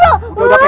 lu setuju kagak